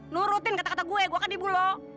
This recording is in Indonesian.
nurutin kata kata gue gue kan ibu loh